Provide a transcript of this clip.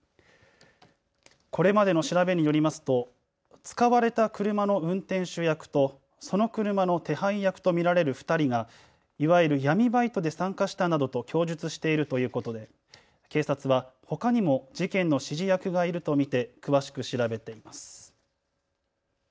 これまでの調べによりますと使われた車の運転手役とその車の手配役と見られる２人がいわゆる闇バイトで参加したなどと供述しているということで警察はほかにも事件の指示役がいると見て詳しく調べています。